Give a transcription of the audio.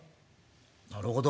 なるほど。